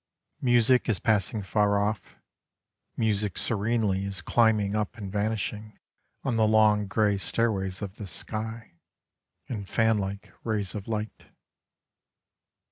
Music is passing far off: Music serenely Is climbing up and vanishing On the long grey stairways of the sky, In fanlike rays of light.